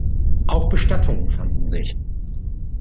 Auch Bestattungen fanden sich.